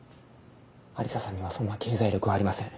アリサさんにはそんな経済力はありません。